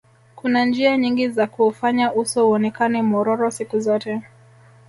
kuna njia nyingi za kuufanya uso uonekane mwororo siku zote